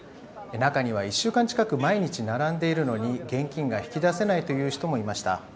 中には、１週間近く毎日並んでいるのに、現金が引き出せないという人もいました。